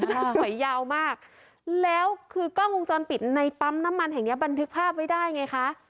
ใช่ถอยยาวมากแล้วคือกล้องวงจรปิดในปั๊มน้ำมันแห่งเนี้ยบันทึกภาพไว้ได้ไงคะ